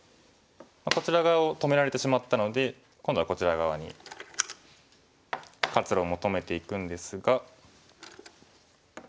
こちら側を止められてしまったので今度はこちら側に活路を求めていくんですが。